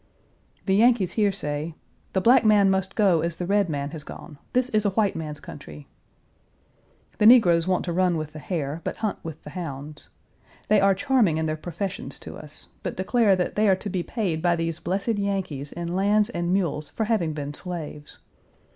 The Yankees here say, "The black man must go as the red man has gone; this is a white man's country." The negroes want to run with the hare, but hunt with the hounds. They are charming in their professions to us, but declare that they are to be paid by these blessed Yankees in lands and mules for having been slaves.